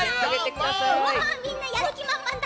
うわみんなやるきまんまんだ。